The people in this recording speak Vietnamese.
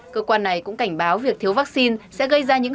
cơ quan này cũng cảnh báo việc thiếu vaccine sẽ gây ra những